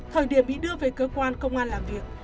thời điểm bị đưa về cơ quan công an làm việc